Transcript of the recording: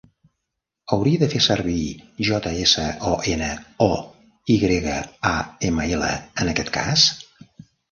Hauria de fer servir JSON o YAML en aquest cas?